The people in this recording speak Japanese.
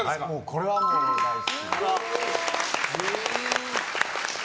これはもう、大好きです。